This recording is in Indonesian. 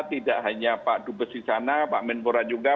tidak hanya pak dubes di sana pak menpora juga